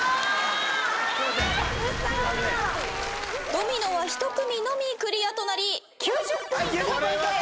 ドミノは１組のみクリアとなり９０ポイント獲得です。